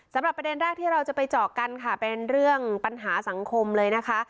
ประเด็นแรกที่เราจะไปเจาะกันค่ะเป็นเรื่องปัญหาสังคมเลยนะคะ